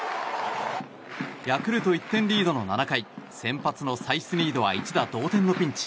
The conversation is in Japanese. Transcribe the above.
ヤクルト１点リードの７回先発のサイスニードは一打同点のピンチ。